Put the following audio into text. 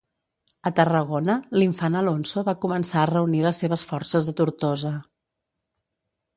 A Tarragona, l'infant Alfonso va començar a reunir les seves forces a Tortosa.